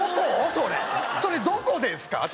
それそれどこですか？